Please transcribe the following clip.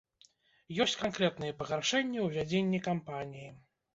Ёсць канкрэтныя пагаршэнні ў вядзенні кампаніі.